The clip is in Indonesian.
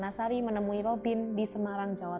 ia sama seperti orang normal